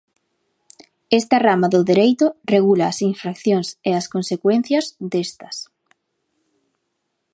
Esta rama do dereito regulas as infraccións e as consecuencias destas.